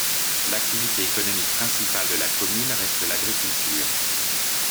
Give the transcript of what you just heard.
L'activité économique principale de la commune reste l'agriculture.